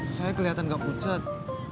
saya kelihatan enggak pucat